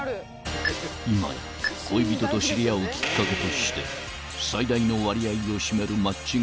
［今や恋人と知り合うきっかけとして最大の割合を占める］